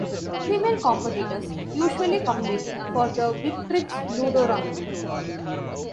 Female competitors usually compete for the Victrix ludorum.